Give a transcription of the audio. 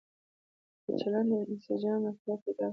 د چلن د انسجام اړتيا پيدا کړه